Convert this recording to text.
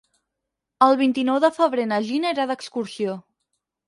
El vint-i-nou de febrer na Gina irà d'excursió.